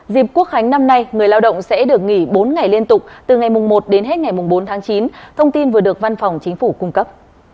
dịp quốc khánh năm nay người lao động sẽ được nghỉ bốn ngày liên tục từ ngày một đến hết ngày bốn tháng chín thông tin vừa được văn phòng chính phủ cung cấp